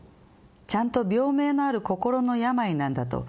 「ちゃんと病名のある心の病なんだと」